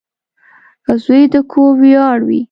• زوی د کور ویاړ وي.